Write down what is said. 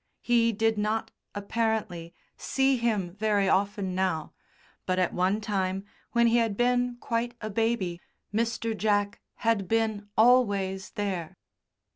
He did not, apparently, see him very often now, but at one time when he had been quite a baby Mr. Jack had been always there.